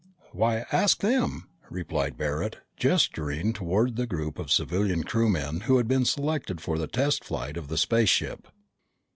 "Why, ask them!" replied Barret, gesturing toward the group of civilian crewmen who had been selected for the test flight of the spaceship.